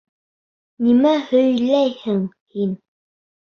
Нимә һөйләйһең һин?!